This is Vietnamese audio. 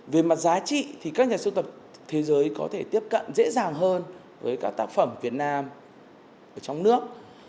về mặt giá trị thì các nhà sưu tập thế giới có thể tiếp cận dễ dàng hơn với cả tác phẩm việt nam ở trong nước